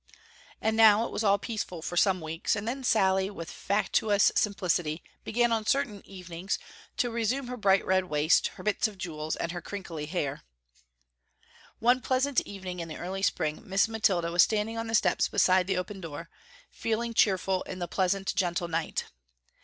And now it was all peaceful for some weeks and then Sallie with fatuous simplicity began on certain evenings to resume her bright red waist, her bits of jewels and her crinkly hair. One pleasant evening in the early spring, Miss Mathilda was standing on the steps beside the open door, feeling cheerful in the pleasant, gentle night.